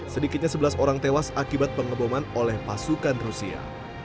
sedikitnya sebelas orang tewas akibat pengeboman oleh pasukan rusia